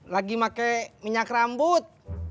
lagi pakai minyak rambut